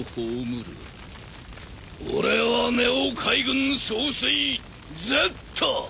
俺はＮＥＯ海軍総帥Ｚ。